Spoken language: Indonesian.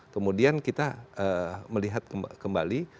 kemudian kita melihat kembali